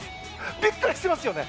びっくりしてますよね。